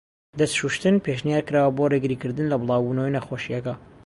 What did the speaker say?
دەست شووشتن پێشنیارکراوە بۆ ڕێگری کردن لە بڵاو بوونەوەی نەخۆشیەکە.